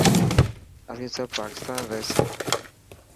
اسين سب پاڪستان رهيسان.